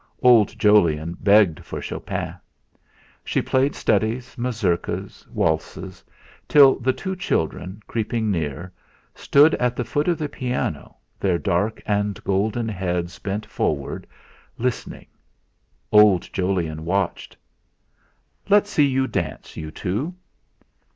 Old Jolyon begged for Chopin. She played studies, mazurkas, waltzes, till the two children, creeping near, stood at the foot of the piano their dark and golden heads bent forward, listening. Old Jolyon watched. "Let's see you dance, you two!"